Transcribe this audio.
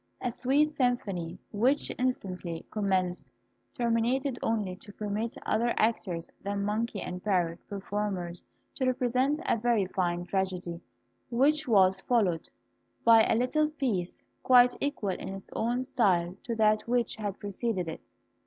A sweet symphony, which instantly commenced, terminated only to permit other actors than monkey and parrot performers to represent a very fine tragedy, which was followed by a little piece, quite equal in its own style to that which had preceded it.